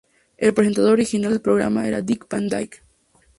El presentador original del programa era Dick Van Dyke.